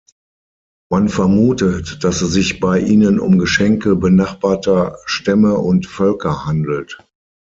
Man vermutet, dass es sich bei ihnen um Geschenke benachbarter Stämme und Völker handelt.